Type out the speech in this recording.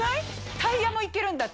タイヤもいけるんだって。